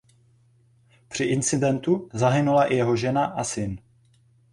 Při incidentu zahynula i jeho žena a syn.